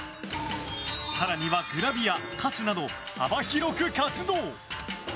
更にはグラビア、歌手など幅広く活動。